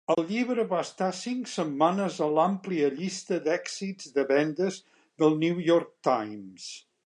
El llibre va estar cinc setmanes a l'àmplia llista d'èxits de vendes del "The New York Times".